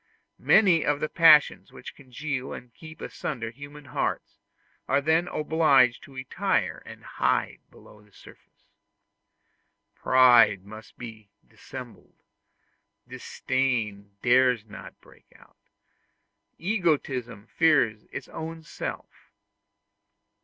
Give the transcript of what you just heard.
Many of the passions which congeal and keep asunder human hearts, are then obliged to retire and hide below the surface. Pride must be dissembled; disdain dares not break out; egotism fears its own self.